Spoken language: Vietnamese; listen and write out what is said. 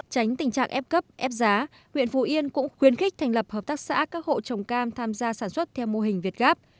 tránh tình trạng ép cấp ép giá huyện phù yên cũng khuyến khích thành lập hợp tác xã các hộ trồng cam tham gia sản xuất theo mô hình việt gáp